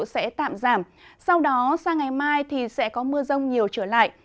sẽ tạm giảm sau đó sang ngày mai thì sẽ có mưa rông nhiều trở lại